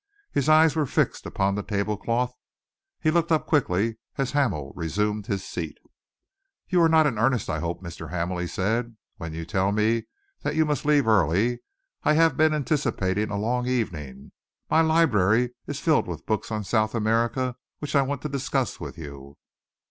His eyes were fixed upon the tablecloth. He looked up quickly as Hamel resumed his seat. "You are not in earnest, I hope, Mr. Hamel," he said, "when you tell me that you must leave early? I have been anticipating a long evening. My library is filled with books on South America which I want to discuss with you."